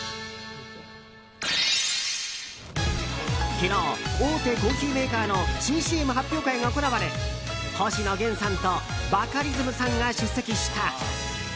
昨日、大手コーヒーメーカーの新ＣＭ発表会が行われ星野源さんとバカリズムさんが出席した。